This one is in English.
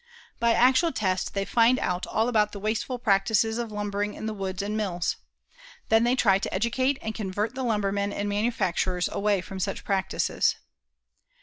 By actual test they find out all about the wasteful practices of lumbering in the woods and mills. Then they try to educate and convert the lumbermen and manufacturers away from such practices.